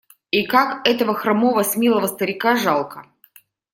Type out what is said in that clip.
И как этого хромого смелого старика жалко!